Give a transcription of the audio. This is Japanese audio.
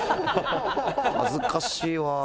「恥ずかしいわ」